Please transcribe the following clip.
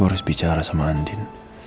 harus bicara sama andin